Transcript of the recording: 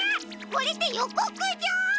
これってよこくじょう！？